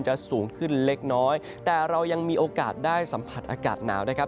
สูงขึ้นเล็กน้อยแต่เรายังมีโอกาสได้สัมผัสอากาศหนาวนะครับ